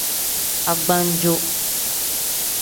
Agbannjo.